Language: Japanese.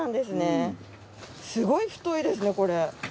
すごい太いですねこれ。